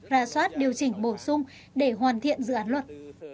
ra soát điều chỉnh bổ sung để hoàn thiện dự án luật